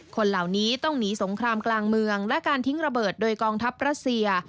คนเหล่านี้ต้องหนีสงครามกลางเมืองและการทิ้งระเบิดโดยกองทัพรัสเซีย